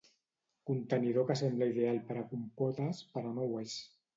Contenidor que sembla ideal per a compotes però no ho és.